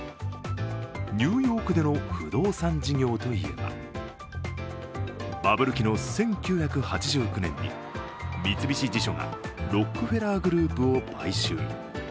ニューヨークでの不動産事業といえばバブル期の１９８９年に三菱地所がロックフェラーグループを買収。